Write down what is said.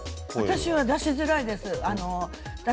私は出しづらいです。